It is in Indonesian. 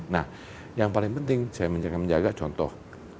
nah yang paling penting saya menjaga contoh